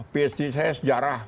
psd saya sejarah